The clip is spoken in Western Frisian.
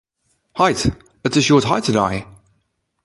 Heit! It is hjoed heitedei.